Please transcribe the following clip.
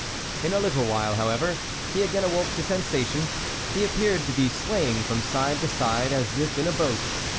In a little while, how ever, he again awoke to sensation ; he appeared to be swaying from side to side as if in a boat.